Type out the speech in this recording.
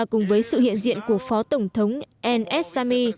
cùng với sự hiện diện của phó tổng thống al assami